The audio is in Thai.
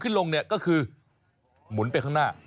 ลงเนี่ยก็คือหมุนไปข้างหน้า